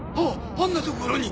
あんな所に！